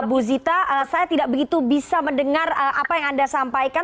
bu zita saya tidak begitu bisa mendengar apa yang anda sampaikan